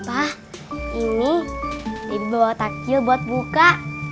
pak ini debbie bawa takjil buat buka